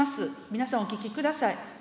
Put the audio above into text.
皆さん、お聞きください。